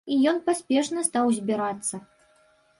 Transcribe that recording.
І ён паспешна стаў збірацца.